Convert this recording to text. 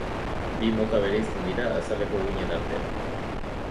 Bi mota bereizten dira azaleko uhinen artean.